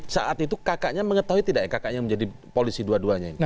saat itu kakaknya mengetahui tidak ya kakaknya menjadi polisi dua duanya ini